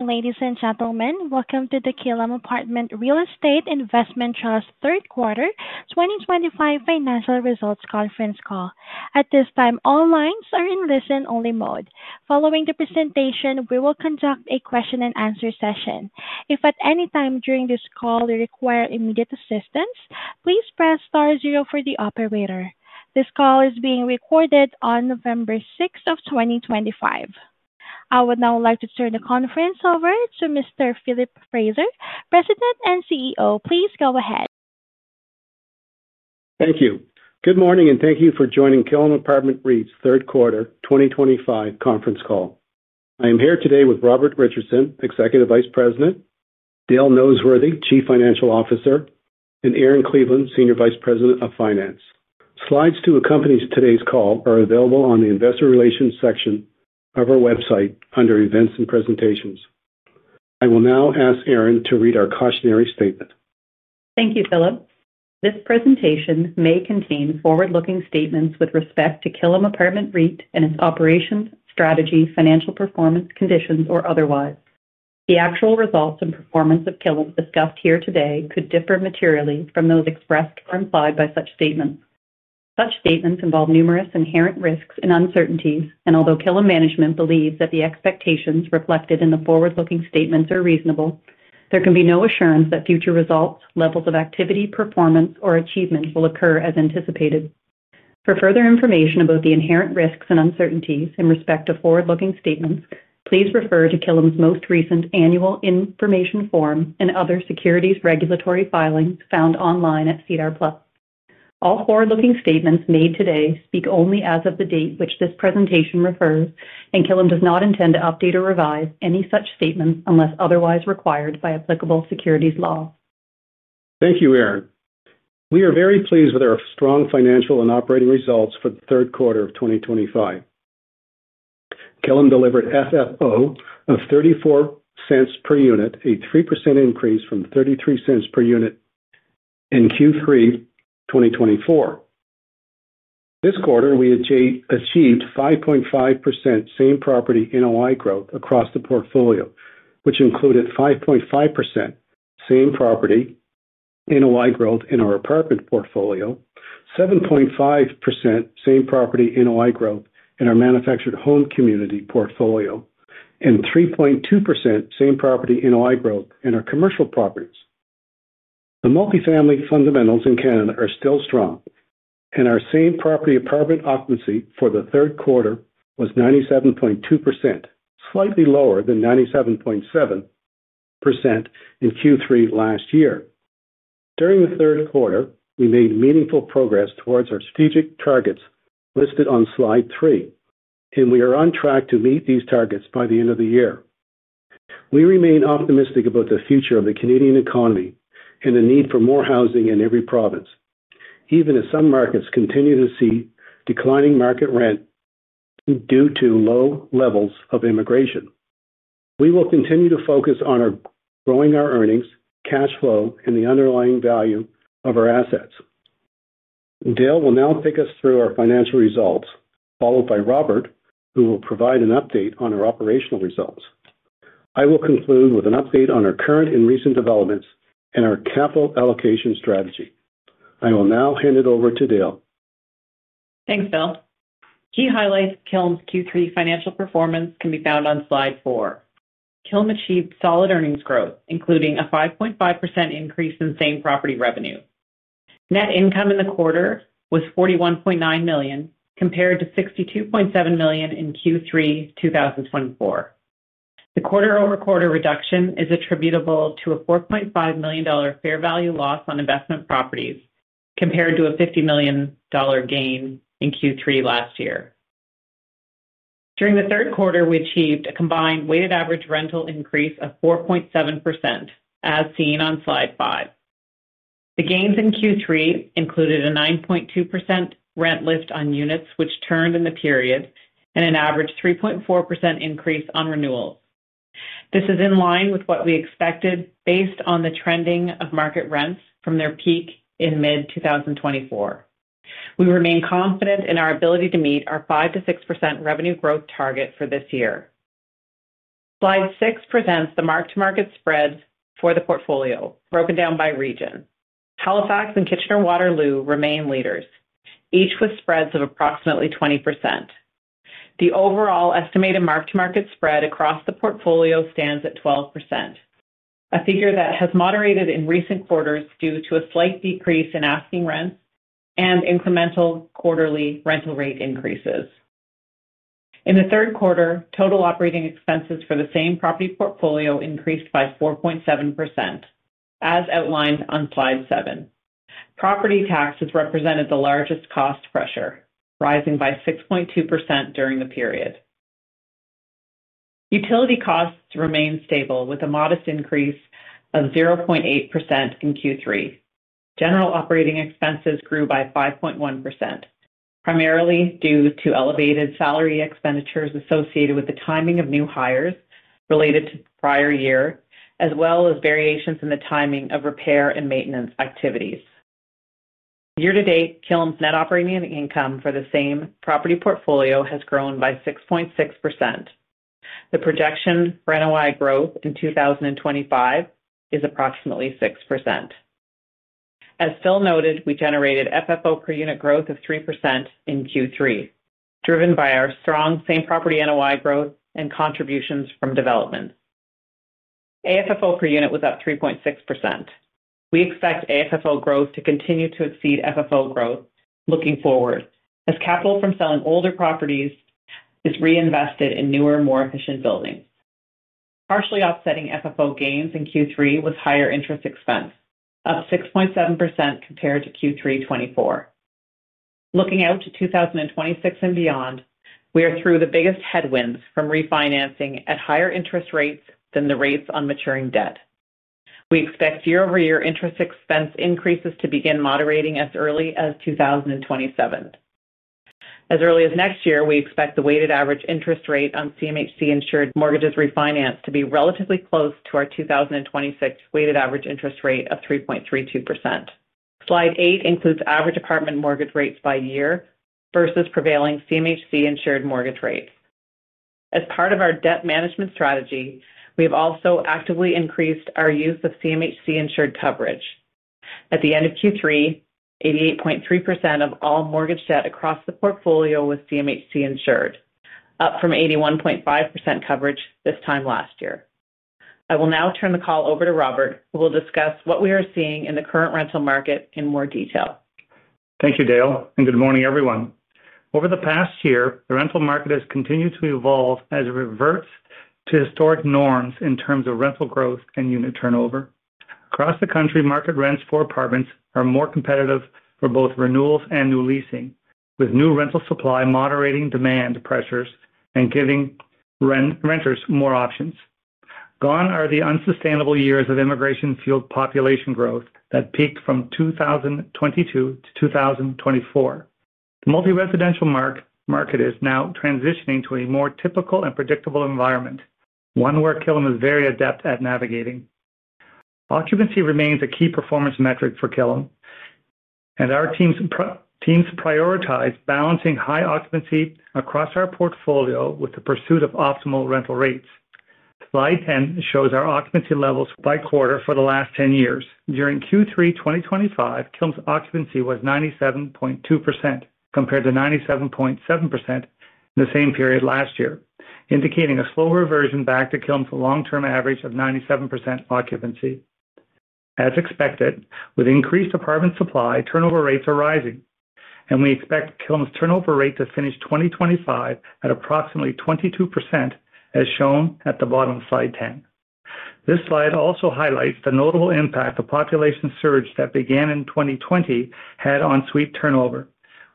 Ladies and gentlemen, welcome to the Killam Apartment REIT's 3rd Quarter 2025 Financial Results Conference Call. At this time, all lines are in listen-only mode. Following the presentation, we will conduct a question-and-answer session. If at any time during this call you require immediate assistance, please press star zero for the operator. This call is being recorded on November 6, 2025. I would now like to turn the conference over to Mr. Philip Fraser, President and CEO. Please go ahead. Thank you. Good morning, and thank you for joining Killam Apartment REIT's third quarter 2025 conference call. I am here today with Robert Richardson, Executive Vice President, Dale Noseworthy, Chief Financial Officer, and Erin Cleveland, Senior Vice President of Finance. Slides to accompany today's call are available on the Investor Relations section of our website under Events and Presentations. I will now ask Erin to read our cautionary statement. Thank you, Philip. This presentation may contain forward-looking statements with respect to Killam Apartment REIT and its operations, strategy, financial performance, conditions, or otherwise. The actual results and performance of Killam discussed here today could differ materially from those expressed or implied by such statements. Such statements involve numerous inherent risks and uncertainties, and although Killam management believes that the expectations reflected in the forward-looking statements are reasonable, there can be no assurance that future results, levels of activity, performance, or achievements will occur as anticipated. For further information about the inherent risks and uncertainties in respect of forward-looking statements, please refer to Killam's most recent annual information form and other securities regulatory filings found online at SEDAR+. All forward-looking statements made today speak only as of the date which this presentation refers, and Killam does not intend to update or revise any such statements unless otherwise required by applicable securities law. Thank you, Erin. We are very pleased with our strong financial and operating results for the third quarter of 2025. Killam delivered FFO of 0.34 per unit, a 3% increase from 0.33 per unit in Q3 2024. This quarter, we achieved 5.5% same property NOI growth across the portfolio, which included 5.5% same property NOI growth in our apartment portfolio, 7.5% same property NOI growth in our manufactured home community portfolio, and 3.2% same property NOI growth in our commercial properties. The multifamily fundamentals in Canada are still strong, and our same property apartment occupancy for the third quarter was 97.2%, slightly lower than 97.7% in Q3 last year. During the third quarter, we made meaningful progress towards our strategic targets listed on slide three, and we are on track to meet these targets by the end of the year. We remain optimistic about the future of the Canadian economy and the need for more housing in every province, even as some markets continue to see declining market rent due to low levels of immigration. We will continue to focus on growing our earnings, cash flow, and the underlying value of our assets. Dale will now take us through our financial results, followed by Robert, who will provide an update on our operational results. I will conclude with an update on our current and recent developments and our capital allocation strategy. I will now hand it over to Dale. Thanks, Phil. Key highlights of Killam's Q3 financial performance can be found on slide four. Killam achieved solid earnings growth, including a 5.5% increase in same property revenue. Net income in the quarter was 41.9 million, compared to 62.7 million in Q3 2024. The quarter-over-quarter reduction is attributable to a 4.5 million dollar fair value loss on investment properties, compared to a 50 million dollar gain in Q3 last year. During the third quarter, we achieved a combined weighted average rental increase of 4.7%, as seen on slide five. The gains in Q3 included a 9.2% rent lift on units which turned in the period and an average 3.4% increase on renewals. This is in line with what we expected based on the trending of market rents from their peak in mid-2024. We remain confident in our ability to meet our 5%-6% revenue growth target for this year. Slide six presents the mark-to-market spreads for the portfolio, broken down by region. Halifax and Kitchener-Waterloo remain leaders, each with spreads of approximately 20%. The overall estimated mark-to-market spread across the portfolio stands at 12%, a figure that has moderated in recent quarters due to a slight decrease in asking rents and incremental quarterly rental rate increases. In the third quarter, total operating expenses for the same property portfolio increased by 4.7%, as outlined on slide seven. Property taxes represented the largest cost pressure, rising by 6.2% during the period. Utility costs remained stable, with a modest increase of 0.8% in Q3. General operating expenses grew by 5.1%, primarily due to elevated salary expenditures associated with the timing of new hires related to the prior year, as well as variations in the timing of repair and maintenance activities. Year-to-date, Killam's net operating income for the same property portfolio has grown by 6.6%. The projection for NOI growth in 2025 is approximately 6%. As Phil noted, we generated FFO per unit growth of 3% in Q3, driven by our strong same property NOI growth and contributions from developments. AFFO per unit was up 3.6%. We expect AFFO growth to continue to exceed FFO growth looking forward, as capital from selling older properties is reinvested in newer, more efficient buildings. Partially offsetting FFO gains in Q3 was higher interest expense, up 6.7% compared to Q3 2024. Looking out to 2026 and beyond, we are through the biggest headwinds from refinancing at higher interest rates than the rates on maturing debt. We expect year-over-year interest expense increases to begin moderating as early as 2027. As early as next year, we expect the weighted average interest rate on CMHC-insured mortgages refinanced to be relatively close to our 2026 weighted average interest rate of 3.32%. Slide eight includes average apartment mortgage rates by year versus prevailing CMHC-insured mortgage rates. As part of our debt management strategy, we have also actively increased our use of CMHC-insured coverage. At the end of Q3, 88.3% of all mortgage debt across the portfolio was CMHC-insured, up from 81.5% coverage this time last year. I will now turn the call over to Robert, who will discuss what we are seeing in the current rental market in more detail. Thank you, Dale, and good morning, everyone. Over the past year, the rental market has continued to evolve as it reverts to historic norms in terms of rental growth and unit turnover. Across the country, market rents for apartments are more competitive for both renewals and new leasing, with new rental supply moderating demand pressures and giving renters more options. Gone are the unsustainable years of immigration-fueled population growth that peaked from 2022 to 2024. The multi-residential market is now transitioning to a more typical and predictable environment, one where Killam is very adept at navigating. Occupancy remains a key performance metric for Killam, and our teams prioritize balancing high occupancy across our portfolio with the pursuit of optimal rental rates. Slide 10 shows our occupancy levels by quarter for the last 10 years. During Q3 2025, Killam's occupancy was 97.2%, compared to 97.7% in the same period last year, indicating a slow reversion back to Killam's long-term average of 97% occupancy. As expected, with increased apartment supply, turnover rates are rising, and we expect Killam's turnover rate to finish 2025 at approximately 22%, as shown at the bottom of slide 10. This slide also highlights the notable impact the population surge that began in 2020 had on suite turnover,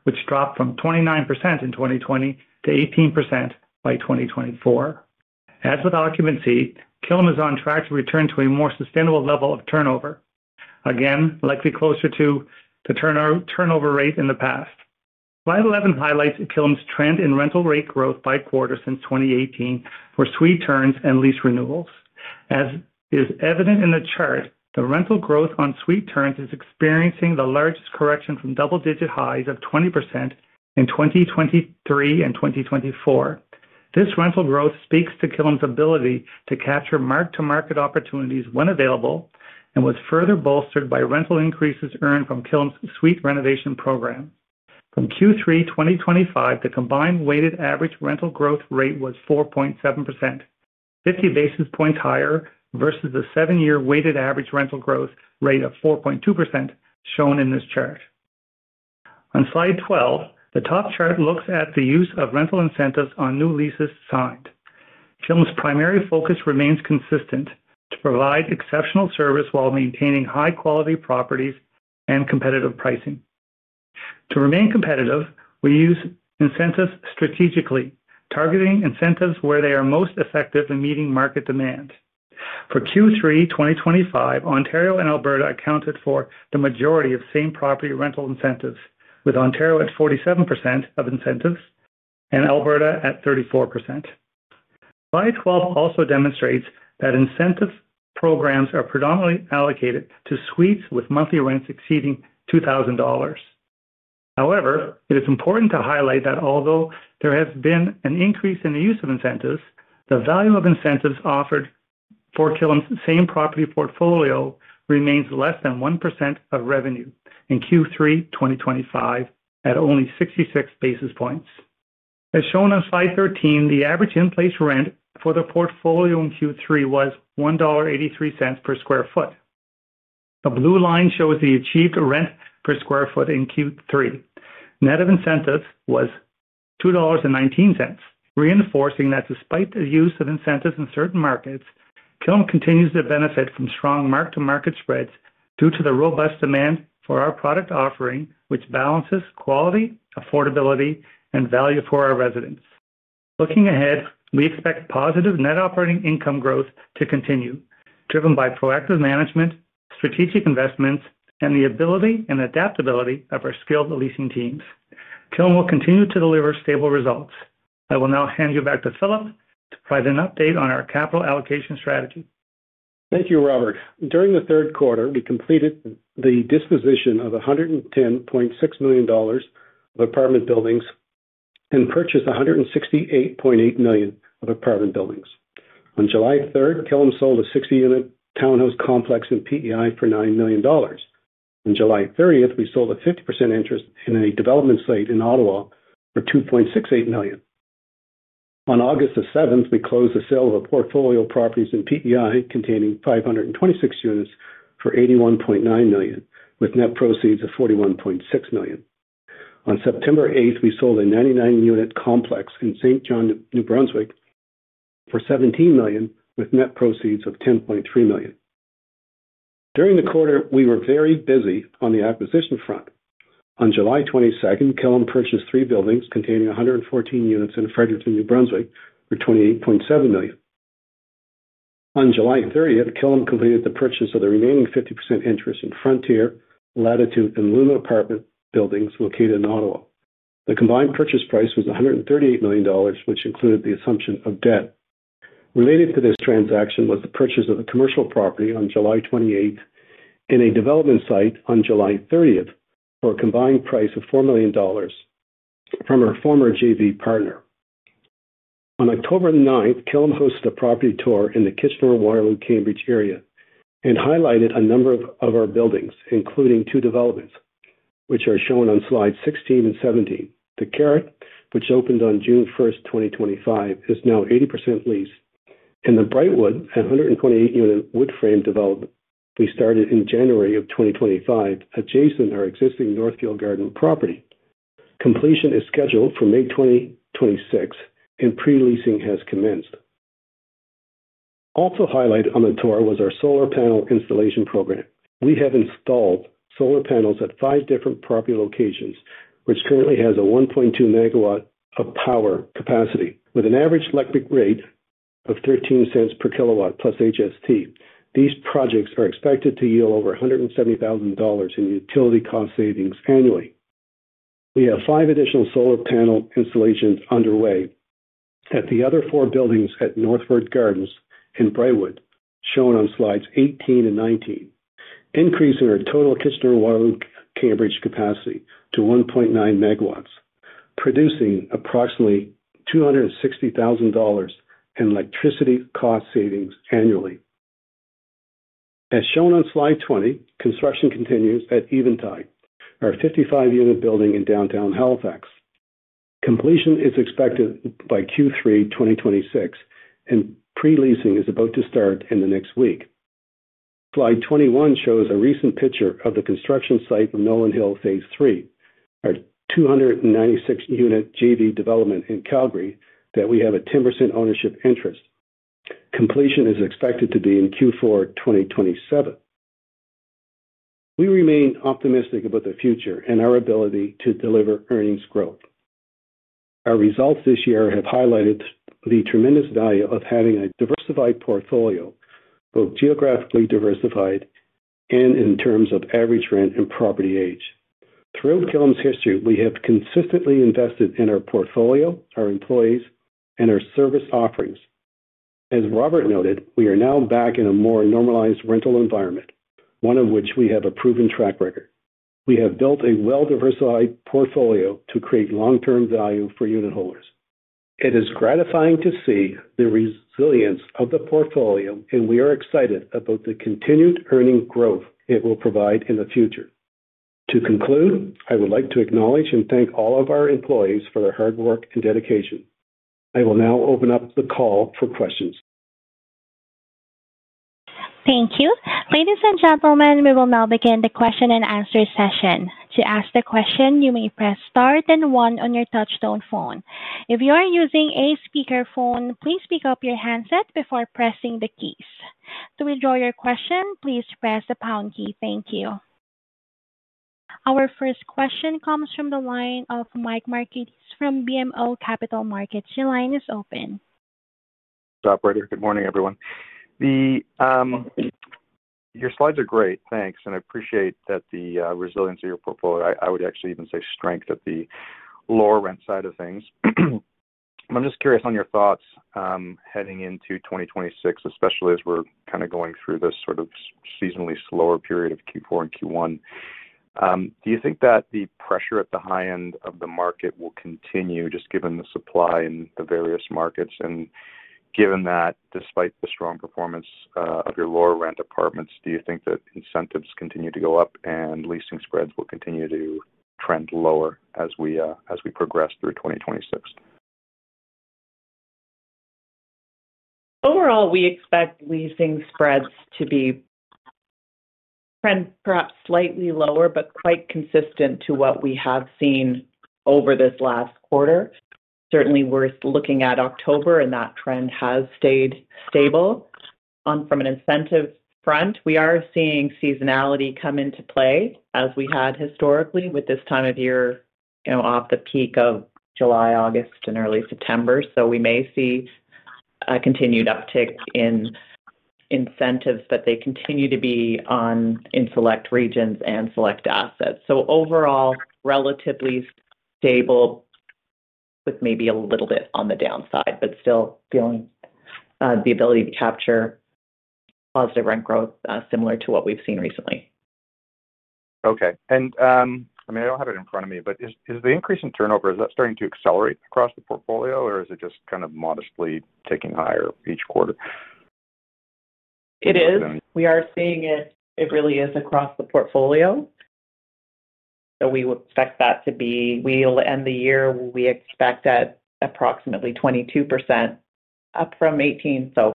which dropped from 29% in 2020 to 18% by 2024. As with occupancy, Killam is on track to return to a more sustainable level of turnover, again likely closer to the turnover rate in the past. Slide 11 highlights Killam's trend in rental rate growth by quarter since 2018 for suite turns and lease renewals. As is evident in the chart, the rental growth on suite turns is experiencing the largest correction from double-digit highs of 20% in 2023 and 2024. This rental growth speaks to Killam's ability to capture mark-to-market opportunities when available and was further bolstered by rental increases earned from Killam's suite renovation program. From Q3 2025, the combined weighted average rental growth rate was 4.7%, 50 basis points higher versus the 7-year weighted average rental growth rate of 4.2% shown in this chart. On slide 12, the top chart looks at the use of rental incentives on new leases signed. Killam's primary focus remains consistent to provide exceptional service while maintaining high-quality properties and competitive pricing. To remain competitive, we use incentives strategically, targeting incentives where they are most effective in meeting market demands. For Q3 2025, Ontario and Alberta accounted for the majority of same property rental incentives, with Ontario at 47% of incentives and Alberta at 34%. Slide 12 also demonstrates that incentive programs are predominantly allocated to suites with monthly rents exceeding $2,000. However, it is important to highlight that although there has been an increase in the use of incentives, the value of incentives offered for Killam's same property portfolio remains less than 1% of revenue in Q3 2025 at only 66 basis points. As shown on slide 13, the average in-place rent for the portfolio in Q3 was $1.83 per square feet. The blue line shows the achieved rent per square feet in Q3. Net of incentives was 2.19 dollars, reinforcing that despite the use of incentives in certain markets, Killam continues to benefit from strong mark-to-market spreads due to the robust demand for our product offering, which balances quality, affordability, and value for our residents. Looking ahead, we expect positive net operating income growth to continue, driven by proactive management, strategic investments, and the ability and adaptability of our skilled leasing teams. Killam will continue to deliver stable results. I will now hand you back to Philip to provide an update on our capital allocation strategy. Thank you, Robert. During the third quarter, we completed the disposition of 110.6 million dollars of apartment buildings and purchased 168.8 million of apartment buildings. On July 3, Killam sold a 60-unit townhouse complex in Prince Edward Island for 9 million dollars. On July 30th, we sold a 50% interest in a development site in Ottawa for 2.68 million. On August 7t, we closed the sale of a portfolio of properties in Prince Edward Island containing 526 units for 81.9 million, with net proceeds of 41.6 million. On September 8t, we sold a 99-unit complex in St. John, New Brunswick, for 17 million, with net proceeds of 10.3 million. During the quarter, we were very busy on the acquisition front. On July 22nd, Killam purchased three buildings containing 114 units in Fredericton, New Brunswick, for 28.7 million. On July 30th, Killam completed the purchase of the remaining 50% interest in Frontier, Latitude, and Luna apartment buildings located in Ottawa. The combined purchase price was 138 million dollars, which included the assumption of debt. Related to this transaction was the purchase of a commercial property on July 28th and a development site on July 30th for a combined price of 4 million dollars from our former JV partner. On October 9, Killam hosted a property tour in the Kitchener, Waterloo, Cambridge area and highlighted a number of our buildings, including two developments, which are shown on slides 16 and 17. The Carrot, which opened on June 1st, 2025, is now 80% leased, and the Brightwood, a 128-unit woodframe development we started in January of 2025, is adjacent to our existing Northfield Garden property. Completion is scheduled for May 2026, and pre-leasing has commenced. Also highlighted on the tour was our solar panel installation program. We have installed solar panels at five different property locations, which currently has a 1.2 megawatt of power capacity with an average electric rate of $0.13 per kW plus HST. These projects are expected to yield over $170,000 in utility cost savings annually. We have five additional solar panel installations underway at the other four buildings at Northward Gardens and Brightwood, shown on slides 18 and 19, increasing our total Kitchener, Waterloo, Cambridge capacity to 1.9 megawatts, producing approximately $260,000 in electricity cost savings annually. As shown on slide 20, construction continues at Eventide, our 55-unit building in downtown Halifax. Completion is expected by Q3 2026, and pre-leasing is about to start in the next week. Slide 21 shows a recent picture of the construction site of Nolan Hill Phase three, our 296-unit JV development in Calgary, that we have a 10% ownership interest. Completion is expected to be in Q4 2027. We remain optimistic about the future and our ability to deliver earnings growth. Our results this year have highlighted the tremendous value of having a diversified portfolio, both geographically diversified and in terms of average rent and property age. Throughout Killam's history, we have consistently invested in our portfolio, our employees, and our service offerings. As Robert noted, we are now back in a more normalized rental environment, one of which we have a proven track record. We have built a well-diversified portfolio to create long-term value for unit holders. It is gratifying to see the resilience of the portfolio, and we are excited about the continued earning growth it will provide in the future. To conclude, I would like to acknowledge and thank all of our employees for their hard work and dedication. I will now open up the call for questions. Thank you. Ladies and gentlemen, we will now begin the question and answer session. To ask a question, you may press star then one on your touch-tone phone. If you are using a speakerphone, please pick up your handset before pressing the keys. To withdraw your question, please press the pound key. Thank you. Our first question comes from the line of Michael Markidis from BMO Capital Markets. Your line is open. Mr. Operator, good morning, everyone. Your slides are great. Thanks. And I appreciate the resilience of your portfolio. I would actually even say strength at the lower rent side of things. I'm just curious on your thoughts heading into 2026, especially as we're kind of going through this sort of seasonally slower period of Q4 and Q1. Do you think that the pressure at the high end of the market will continue, just given the supply in the various markets? And given that, despite the strong performance of your lower rent apartments, do you think that incentives continue to go up and leasing spreads will continue to trend lower as we progress through 2026? Overall, we expect leasing spreads to be. Trend perhaps slightly lower, but quite consistent to what we have seen over this last quarter. Certainly, we're looking at October, and that trend has stayed stable. From an incentive front, we are seeing seasonality come into play as we had historically with this time of year off the peak of July, August, and early September. We may see a continued uptick in incentives, but they continue to be on in select regions and select assets. Overall, relatively stable with maybe a little bit on the downside, but still feeling the ability to capture positive rent growth similar to what we've seen recently. Okay. I mean, I don't have it in front of me, but is the increase in turnover, is that starting to accelerate across the portfolio, or is it just kind of modestly ticking higher each quarter? It is. We are seeing it. It really is across the portfolio. We would expect that to be, we will end the year, we expect at approximately 22%, up from 18%.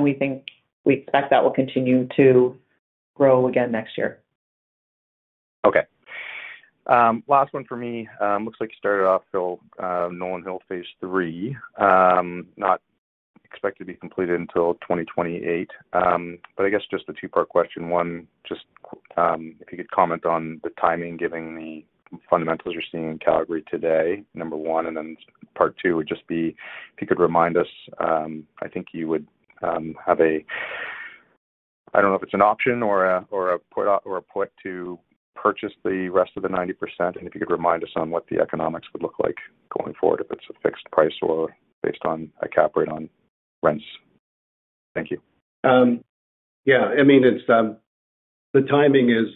We think we expect that will continue to grow again next year. Okay. Last one for me. Looks like you started off, Phil, Nolan Hill Phase three. Not expected to be completed until 2028. I guess just the two-part question. One, just if you could comment on the timing, given the fundamentals you're seeing in Calgary today, number one. Part two would just be if you could remind us, I think you would have a—I don't know if it's an option or a put to purchase the rest of the 90%—and if you could remind us on what the economics would look like going forward, if it's a fixed price or based on a cap rate on rents. Thank you. Yeah. I mean, the timing is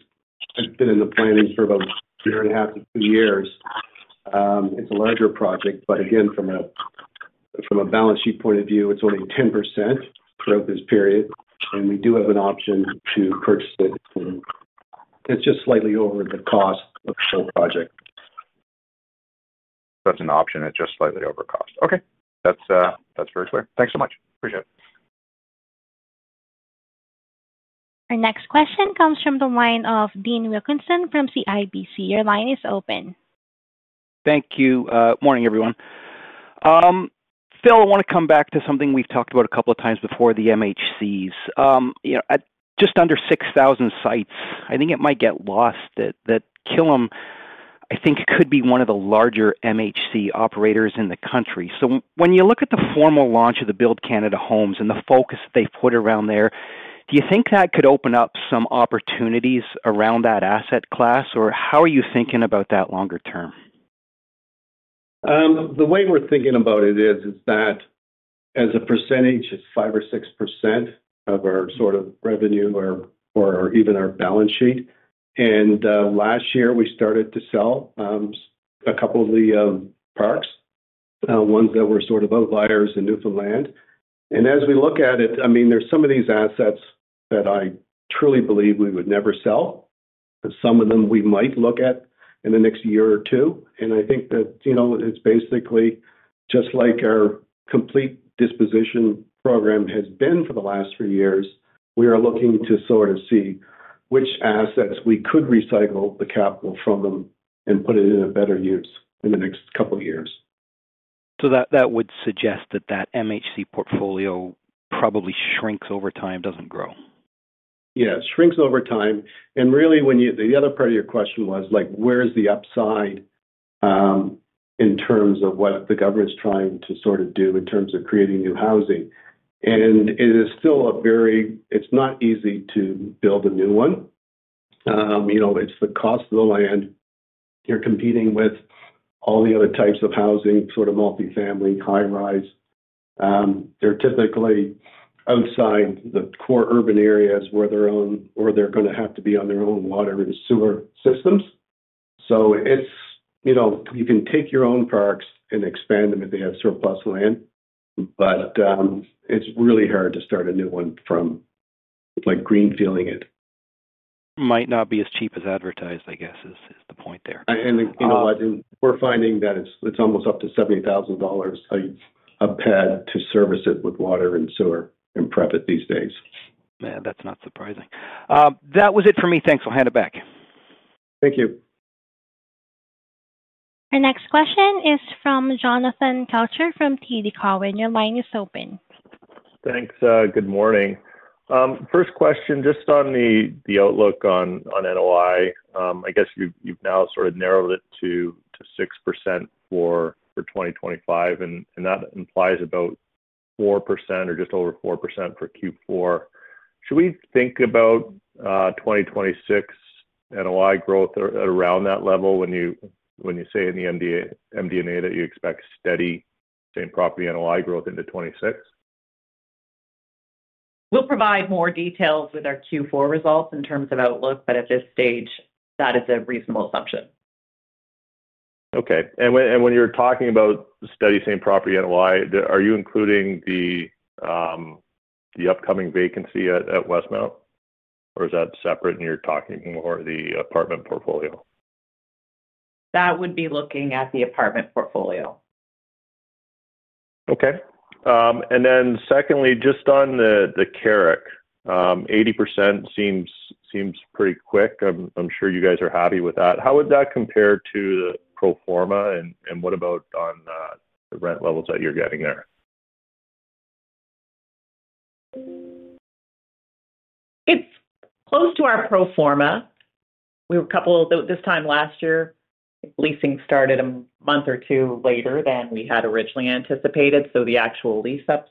I've been in the planning for about a year and a half to two years. It's a larger project. Again, from a balance sheet point of view, it's only 10% throughout this period. We do have an option to purchase it. It's just slightly over the cost of the whole project. It's an option at just slightly over cost. Okay. That's very clear. Thanks so much. Appreciate it. Our next question comes from the line of Dean Wilkinson from CIBC. Your line is open. Thank you. Morning, everyone. Phil, I want to come back to something we've talked about a couple of times before: the MHCs. Just under 6,000 sites. I think it might get lost that Killam, I think, could be one of the larger MHC operators in the country. When you look at the formal launch of the Build Canada Homes and the focus that they've put around there, do you think that could open up some opportunities around that asset class, or how are you thinking about that longer term? The way we're thinking about it is that as a percentage, it's 5% or 6% of our sort of revenue or even our balance sheet. Last year, we started to sell a couple of the parks, ones that were sort of outliers in Newfoundland. As we look at it, I mean, there's some of these assets that I truly believe we would never sell. Some of them we might look at in the next year or two. I think that it's basically just like our complete disposition program has been for the last three years. We are looking to sort of see which assets we could recycle the capital from and put it in a better use in the next couple of years. That would suggest that that MHC portfolio probably shrinks over time, doesn't grow? Yeah, it shrinks over time. Really, the other part of your question was, where's the upside. In terms of what the government's trying to sort of do in terms of creating new housing? It is still a very—it's not easy to build a new one. It's the cost of the land. You're competing with all the other types of housing, sort of multifamily, high-rise. They're typically outside the core urban areas where they're going to have to be on their own water and sewer systems. You can take your own parks and expand them if they have surplus land. It's really hard to start a new one from greenfielding it. It might not be as cheap as advertised, I guess, is the point there. You know what? We're finding that it's almost up to 70,000 dollars a pad to service it with water and sewer and prep it these days. Man, that's not surprising. That was it for me. Thanks. I'll hand it back. Thank you. Our next question is from Jonathan Kelcher from TD Cowen. Your line is open. Thanks. Good morning. First question, just on the outlook on NOI, I guess you've now sort of narrowed it to 6% for 2025, and that implies about 4% or just over 4% for Q4. Should we think about 2026 NOI growth at around that level when you say in the MDNA that you expect steady same property NOI growth into 2026? We'll provide more details with our Q4 results in terms of outlook, but at this stage, that is a reasonable assumption. Okay. When you're talking about steady same property NOI, are you including the upcoming vacancy at Westmount, or is that separate and you're talking more of the apartment portfolio? That would be looking at the apartment portfolio. Okay. And then secondly, just on The Carrick, 80% seems pretty quick. I'm sure you guys are happy with that. How would that compare to the pro forma? And what about on the rent levels that you're getting there? It's close to our pro forma. This time last year, leasing started a month or two later than we had originally anticipated. The actual lease up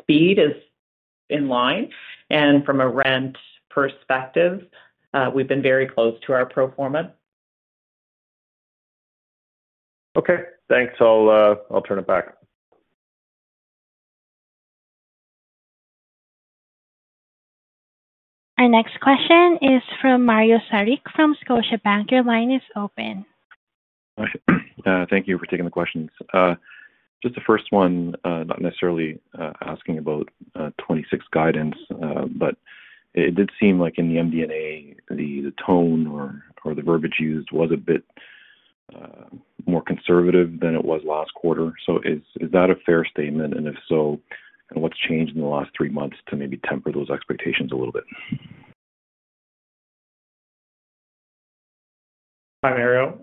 speed is in line. From a rent perspective, we've been very close to our pro forma. Okay. Thanks. I'll turn it back. Our next question is from Mario Saric from Scotiabank. Your line is open. Thank you for taking the questions. Just the first one, not necessarily asking about '26 guidance, but it did seem like in the MD&A, the tone or the verbiage used was a bit more conservative than it was last quarter. Is that a fair statement? If so, what has changed in the last three months to maybe temper those expectations a little bit? Hi, Mario.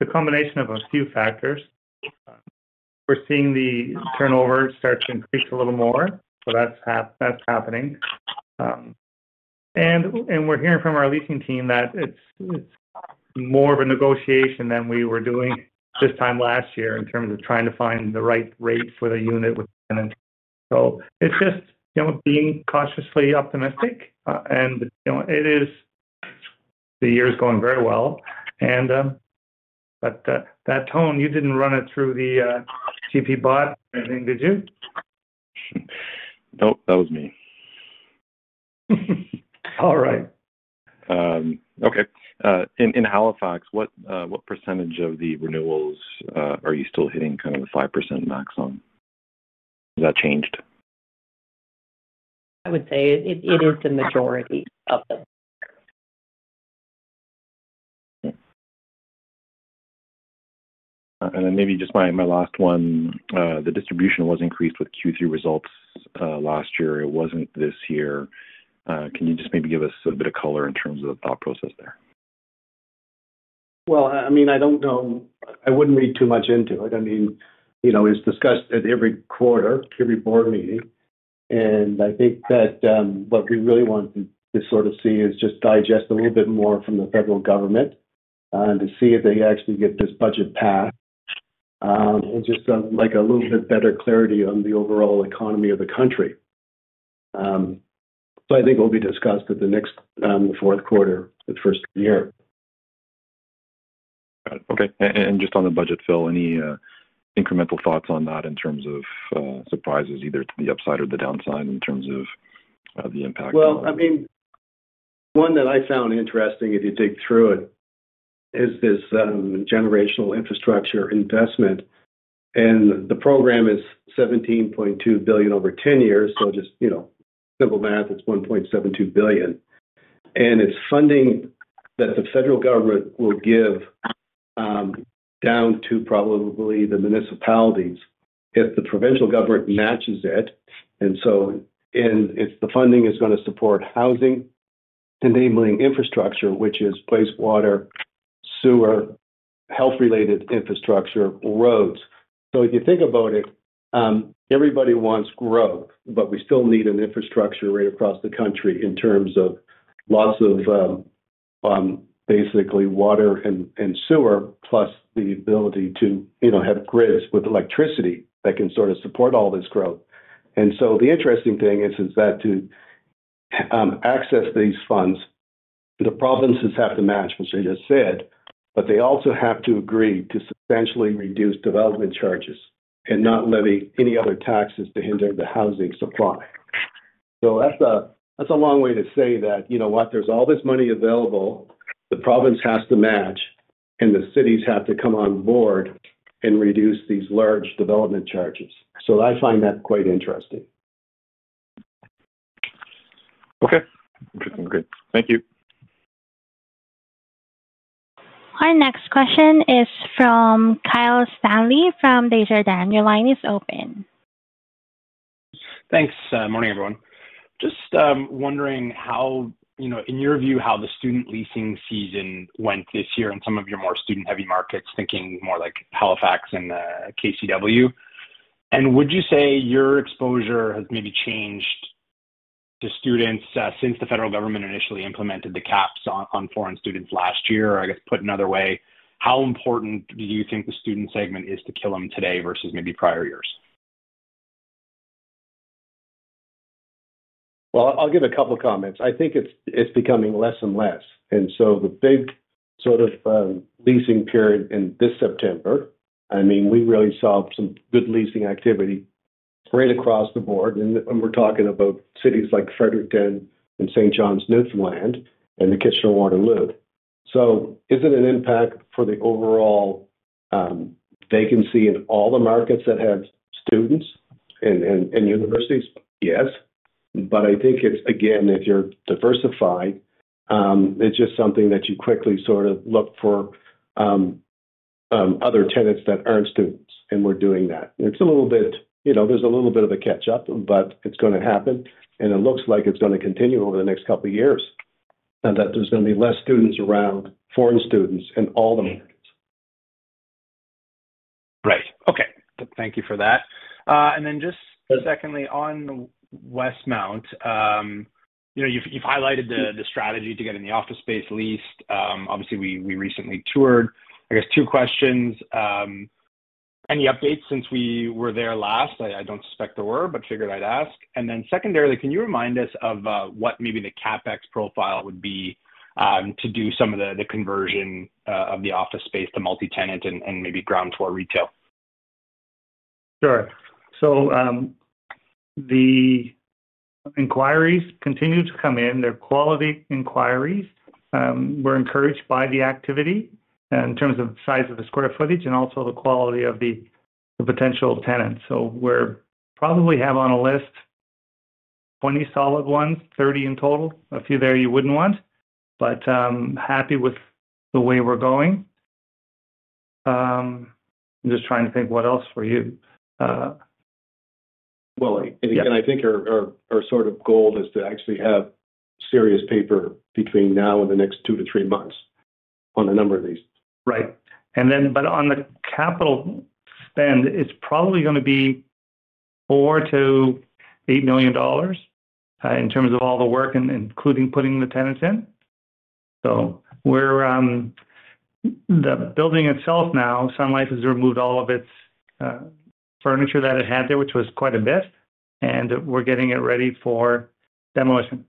The combination of a few factors. We're seeing the turnover start to increase a little more. That's happening. We're hearing from our leasing team that it's more of a negotiation than we were doing this time last year in terms of trying to find the right rate for the unit with tenants. It's just being cautiously optimistic. It is. The year is going very well. That tone, you didn't run it through the GP Bot or anything, did you? Nope. That was me. All right. Okay. In Halifax, what percentage of the renewals are you still hitting kind of the 5% maximum? Has that changed? I would say it is the majority of them. Maybe just my last one. The distribution was increased with Q3 results last year. It was not this year. Can you just maybe give us a bit of color in terms of the thought process there? I mean, I don't know. I wouldn't read too much into it. I mean, it's discussed at every quarter, every board meeting. I think that what we really want to sort of see is just digest a little bit more from the federal government to see if they actually get this budget passed, and just a little bit better clarity on the overall economy of the country. I think it will be discussed at the next fourth quarter, the first year. Got it. Okay. And just on the budget, Phil, any incremental thoughts on that in terms of surprises, either to the upside or the downside in terms of the impact? I mean, one that I found interesting, if you dig through it, is this generational infrastructure investment. The program is 17.2 billion over 10 years. Just simple math, it's 1.72 billion. It's funding that the federal government will give down to probably the municipalities if the provincial government matches it. The funding is going to support housing and enabling infrastructure, which is wastewater, sewer, health-related infrastructure, roads. If you think about it, everybody wants growth, but we still need infrastructure right across the country in terms of lots of basically water and sewer, plus the ability to have grids with electricity that can sort of support all this growth. The interesting thing is that to. Access these funds, the provinces have to match, which I just said, but they also have to agree to substantially reduce development charges and not levy any other taxes to hinder the housing supply. That is a long way to say that, you know what, there is all this money available, the province has to match, and the cities have to come on board and reduce these large development charges. I find that quite interesting. Okay. Interesting. Great. Thank you. Our next question is from Kyle Stanley from Desjardins. Your line is open. Thanks. Morning, everyone. Just wondering how, in your view, how the student leasing season went this year in some of your more student-heavy markets, thinking more like Halifax and KCW. Would you say your exposure has maybe changed to students since the federal government initially implemented the caps on foreign students last year? I guess, put another way, how important do you think the student segment is to Killam today versus maybe prior years? I will give a couple of comments. I think it is becoming less and less. The big sort of leasing period in this September, I mean, we really saw some good leasing activity right across the board. We are talking about cities like Fredericton and St. John, Newfoundland, and the Kitchener-Waterloo. Is it an impact for the overall vacancy in all the markets that have students and universities? Yes. I think if you are diversified, it is just something that you quickly sort of look for other tenants that are not students, and we are doing that. There is a little bit of a catch-up, but it is going to happen. It looks like it is going to continue over the next couple of years that there is going to be fewer students around, foreign students, in all the markets. Right. Okay. Thank you for that. Then just secondly, on Westmount. You've highlighted the strategy to get the office space leased. Obviously, we recently toured. I guess two questions. Any updates since we were there last? I don't suspect there were, but figured I'd ask. Then secondarily, can you remind us of what maybe the CapEx profile would be to do some of the conversion of the office space to multi-tenant and maybe ground floor retail? Sure. The inquiries continue to come in. They're quality inquiries. We're encouraged by the activity in terms of the size of the square footage and also the quality of the potential tenants. We probably have on a list 20 solid ones, 30 in total, a few there you wouldn't want, but happy with the way we're going. I'm just trying to think what else for you. I think our sort of goal is to actually have serious paper between now and the next two to three months on a number of these. Right. On the capital spend, it's probably going to be 4 million-8 million dollars in terms of all the work, including putting the tenants in. The building itself now, Sun Life has removed all of its furniture that it had there, which was quite a bit. We're getting it ready for demolition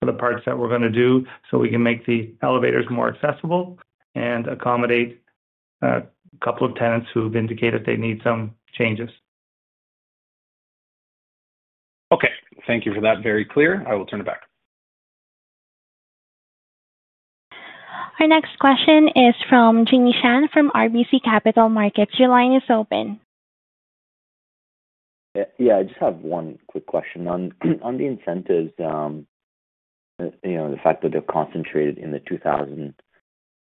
for the parts that we're going to do so we can make the elevators more accessible and accommodate a couple of tenants who've indicated they need some changes. Okay. Thank you for that. Very clear. I will turn it back. Our next question is from Jimmy Shan from RBC Capital Markets. Your line is open. Yeah. I just have one quick question. On the incentives. The fact that they're concentrated in the $2,000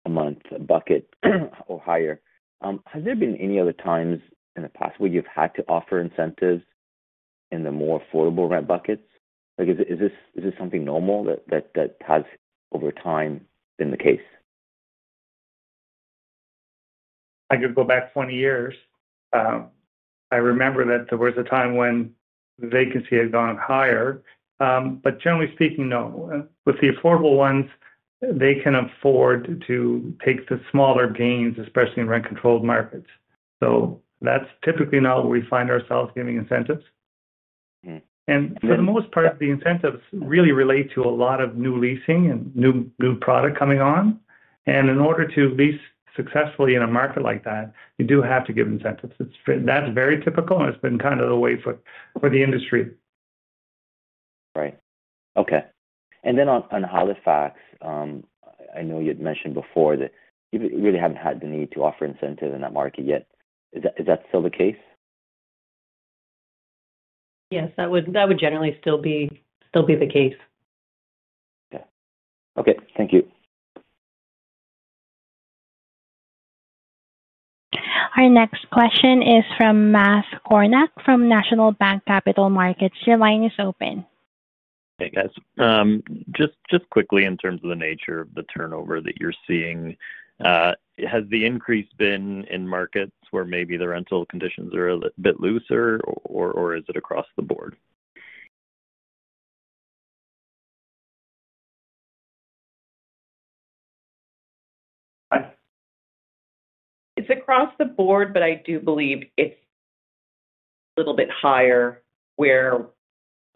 a month bucket or higher, has there been any other times in the past where you've had to offer incentives in the more affordable rent buckets? Is this something normal that has over time been the case? I could go back 20 years. I remember that there was a time when vacancy had gone higher. Generally speaking, no. With the affordable ones, they can afford to take the smaller gains, especially in rent-controlled markets. That is typically not where we find ourselves giving incentives. For the most part, the incentives really relate to a lot of new leasing and new product coming on. In order to lease successfully in a market like that, you do have to give incentives. That is very typical, and it has been kind of the way for the industry. Right. Okay. And then on Halifax, I know you'd mentioned before that you really haven't had the need to offer incentives in that market yet. Is that still the case? Yes. That would generally still be the case. Okay. Okay. Thank you. Our next question is from Matt Kornack from National Bank Capital Markets. Your line is open. Okay, guys. Just quickly, in terms of the nature of the turnover that you're seeing, has the increase been in markets where maybe the rental conditions are a bit looser, or is it across the board? It's across the board, but I do believe it's a little bit higher where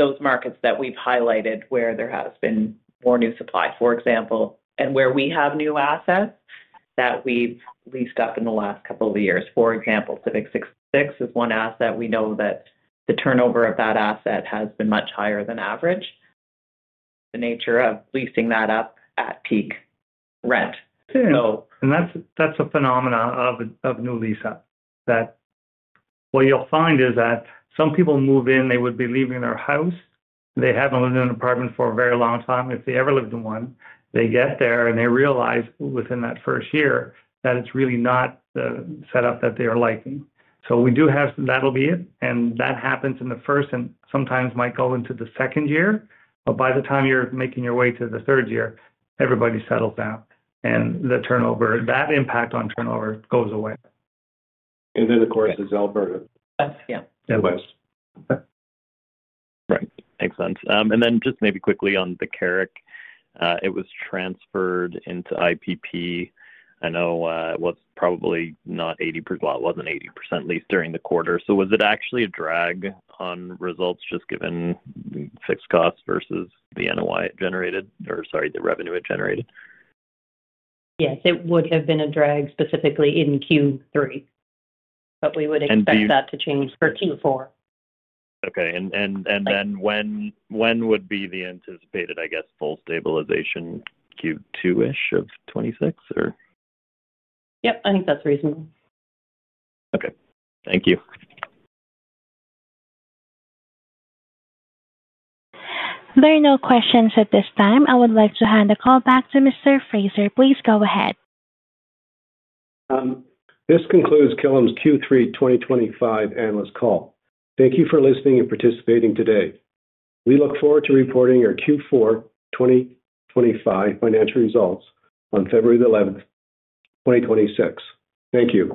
those markets that we've highlighted where there has been more new supply, for example, and where we have new assets that we've leased up in the last couple of years. For example, Civic 66 is one asset. We know that the turnover of that asset has been much higher than average. The nature of leasing that up at peak rent. And that's a phenomenon of new lease up. What you'll find is that some people move in, they would be leaving their house. They haven't lived in an apartment for a very long time. If they ever lived in one, they get there and they realize within that first year that it's really not the setup that they are liking. So we do have that'll be it. That happens in the first and sometimes might go into the second year. By the time you're making your way to the third year, everybody settles down. That impact on turnover goes away. Of course, it's Alberta. Yeah. West. Right. Makes sense. And then just maybe quickly on The Carrick, it was transferred into IPP. I know it was probably not 80%; it was not 80% leased during the quarter. So was it actually a drag on results just given fixed costs versus the NOI it generated or, sorry, the revenue it generated? Yes. It would have been a drag specifically in Q3. We would expect that to change for Q4. Okay. And then when would be the anticipated, I guess, full stabilization Q2-ish of 2026, or? Yep. I think that's reasonable. Okay. Thank you. There are no questions at this time. I would like to hand the call back to Mr. Fraser. Please go ahead. This concludes Killam's Q3 2025 analyst call. Thank you for listening and participating today. We look forward to reporting our Q4 2025 financial results on February 11th, 2026. Thank you.